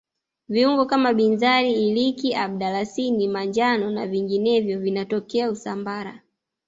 viungo kama binzari iliki mdalasini manjano na vinginevyo vinatokea usambara